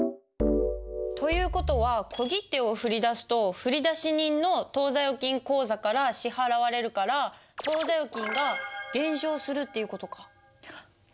という事は小切手を振り出すと振り出し人の当座預金口座から支払われるから当座預金が減少するっていう事か。